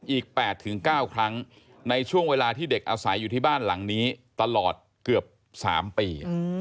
อีก๘๙ครั้งในช่วงเวลาที่เด็กอาศัยอยู่ที่บ้านหลังนี้ตลอดเกือบ๓ปี